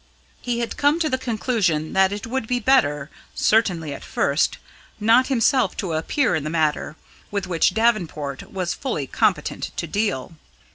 He had come to the conclusion that it would be better certainly at first not himself to appear in the matter, with which Davenport was fully competent to deal.